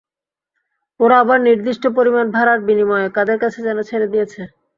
ওরা আবার নির্দিষ্ট পরিমাণ ভাড়ার বিনিময়ে কাদের কাছে যেন ছেড়ে দিয়েছে।